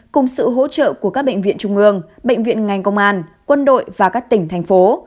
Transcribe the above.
cùng sự hỗ trợ của các bệnh viện trung ương bệnh viện ngành công an quân đội và các tỉnh thành phố